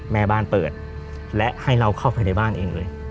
แม่บ้านเปิดและให้เราเข้าไปในบ้านเองเลย